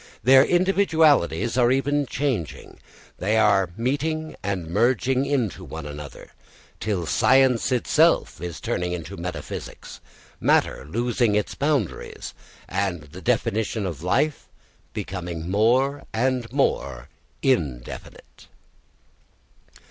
Their individualities are even changing, they are meeting and merging into each other, till science itself is turning into metaphysics, matter losing its boundaries, and the definition of life becoming more and more indefinite.